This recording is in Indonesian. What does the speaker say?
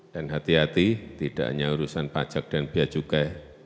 dan hati hati tidak hanya urusan pajak dan biaya juga